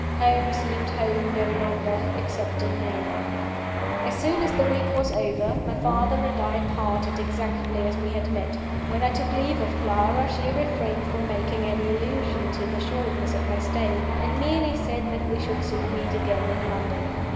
Home seemed home no longer, except in name. As soon as the week was over, my father and I parted exactly as we had met. When I took leave of Clara, she refrained from making any allusion to the shortness of my stay; and merely said that we should soon meet again in London.